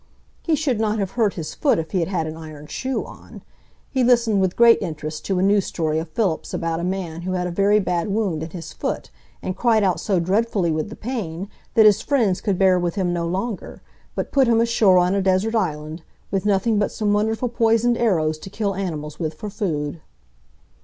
He should not have hurt his foot if he had had an iron shoe on. He listened with great interest to a new story of Philip's about a man who had a very bad wound in his foot, and cried out so dreadfully with the pain that his friends could bear with him no longer, but put him ashore on a desert island, with nothing but some wonderful poisoned arrows to kill animals with for food.